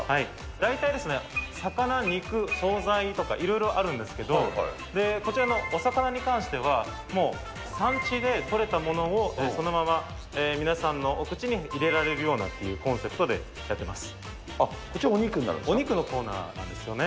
大体、魚、肉、総菜とかいろいろあるんですけど、こちらのお魚に関しては、もう産地で取れたものを、そのまま皆さんのお口に入れられるようなというコンセプトでやっあ、こちらはお肉になるんでお肉のコーナーなんですよね。